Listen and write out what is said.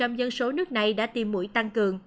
hơn bốn mươi tám dân số nước này đã tiêm mũi tăng cường